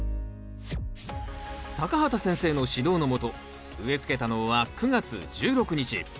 畑先生の指導のもと植えつけたのは９月１６日。